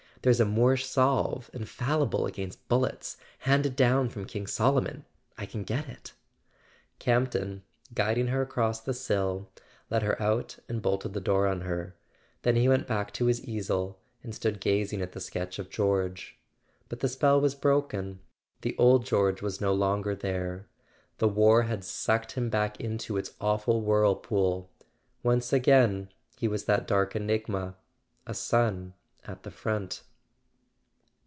There's a Moorish salve, infallible against bullets ... handed down from King Solomon ... I can get [ 389 ] A SON AT THE FRONT Campton, guiding her across the sill, led her out and bolted the door on her; then he went back to his easel and stood gazing at the sketch of George. But the spell was broken: the old George was no longer there. The war had sucked him back into its awful whirlpool—once more he was that dark enigma, a son at the front.